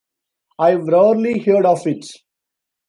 I've rarely heard of it.